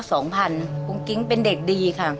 คุณกิ๊งเป็นเด็กดีค่ะ